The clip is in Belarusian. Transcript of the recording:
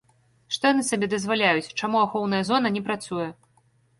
Што яны сабе дазваляюць, чаму ахоўная зона не працуе?